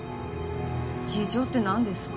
事情ってなんですか？